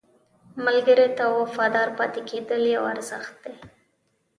ملګری ته وفادار پاتې کېدل یو ارزښت دی